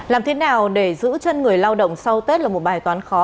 làm thế nào để giữ chân người lao động sau tết là một bài toán khó